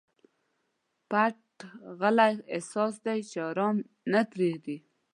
پټ غلی احساس دی چې ارام مي نه پریږدي.